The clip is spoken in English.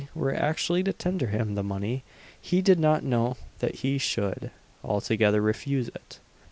were actually to tender him the money he did not know that he should, altogether, refuse it.